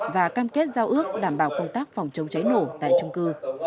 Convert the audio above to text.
và cam kết giao ước đảm bảo công tác phòng chống cháy nổ tại trung cư